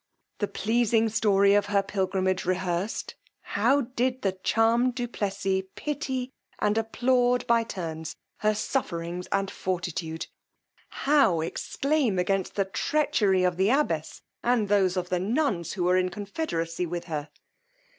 The pleasing story of her pilgrimage rehearsed, how did the charmed du Plessis pity and applaud, by turns, her sufferings and fortitude! How exclaim against the treachery of the abbess, and those of the nuns who were in confederacy with her!